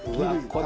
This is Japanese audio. これ。